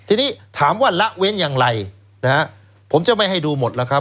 ทีนี้ถามว่าละเว้นอย่างไรนะฮะผมจะไม่ให้ดูหมดแล้วครับ